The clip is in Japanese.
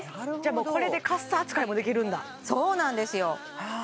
もうこれでカッサ扱いもできるんだそうなんですよああ